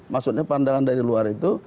maksudnya pandangan dari luar itu